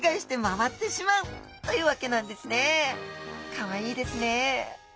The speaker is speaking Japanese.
かわいいですね